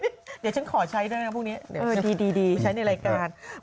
เดี๋ยวฉันขอใช้ด้วยนะคะพวกนี้ใช้ในรายการ